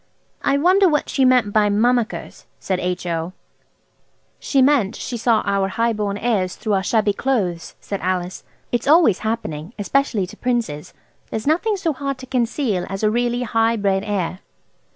"I wonder what she meant by 'mummickers'?" said H.O. "She meant she saw our high born airs through our shabby clothes," said Alice. "It's always happening, especially to princes. There's nothing so hard to conceal as a really high bred air."